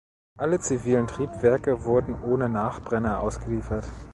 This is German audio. Alle zivilen Triebwerke wurden ohne Nachbrenner ausgeliefert.